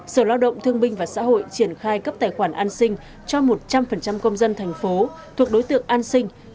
sở lao động thương binh và xã hội triển khai cấp tài khoản an sinh cho một trăm linh công dân thành phố thuộc đối tượng an sinh